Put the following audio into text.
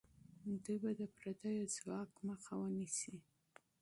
دوی به د پردیو ځواک مخه ونیسي.